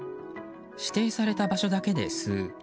指定された場所だけで吸う。